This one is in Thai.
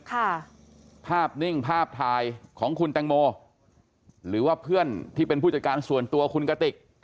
ภาพนิ่งภาพถ่ายของคุณแตงโมหรือว่าเพื่อนที่เป็นผู้จัดการส่วนตัวคุณกติก